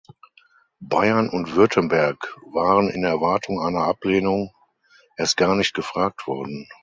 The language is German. Bayern und Württemberg waren in Erwartung einer Ablehnung erst gar nicht gefragt worden.